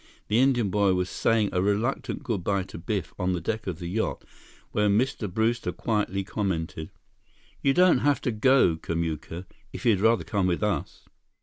The Indian boy was saying a reluctant good by to Biff on the deck of the yacht, when Mr. Brewster quietly commented: "You don't have to go, Kamuka, if you'd rather come with us."